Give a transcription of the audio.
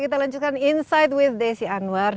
kita lanjutkan insight with desi anwar